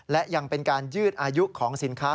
และยังเป็นการยืดอายุของสินค้า